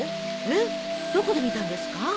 えっどこで見たんですか？